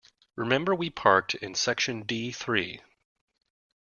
Remember we parked in section D three.